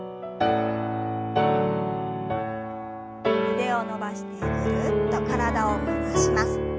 腕を伸ばしてぐるっと体を回します。